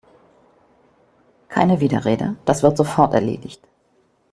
Keine Widerrede, das wird sofort erledigt!